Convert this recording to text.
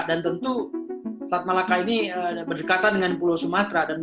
dan tentu selat malaka ini berdekatan dengan pulau sumatera